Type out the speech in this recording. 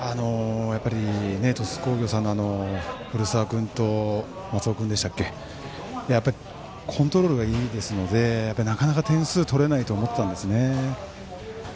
やっぱり鳥栖工業さんの古澤君と松延君はコントロールがいいですのでなかなか、点数が取れないと思っていたんですね。